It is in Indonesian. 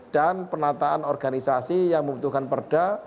dan penataan organisasi yang membutuhkan perda